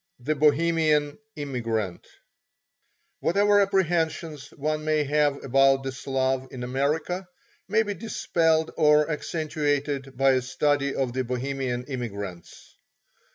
XV THE BOHEMIAN IMMIGRANT Whatever apprehensions one may have about the Slav in America, may be dispelled or accentuated by a study of the Bohemian immigrants.